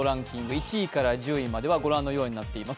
１位から１０位までは御覧のようになっています。